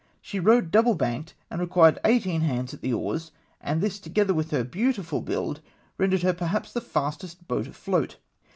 She rowed double banked, and requu^ed eighteen hands at the oars, and this together with her beautiful build rendered her perhaps the fastest boat afloat.